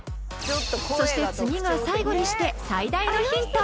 そして次が最後にして最大のヒント